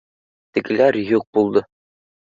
— Тегеләр юҡ булды